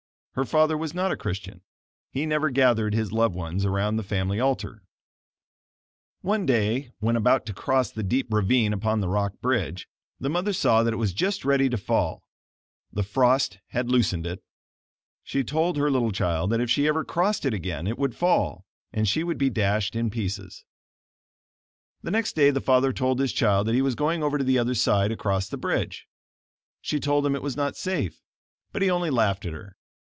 Her father was not a Christian. He never gathered his loved ones around the family altar. One day when about to cross the deep ravine upon the rock bridge, the mother saw that it was just ready to fall. The frost had loosened it. She told her little child that if she ever crossed it again it would fall, and she would be dashed in pieces. The next day the father told his child that he was going over to the other side across the bridge. She told him it was not safe, but he only laughed at her.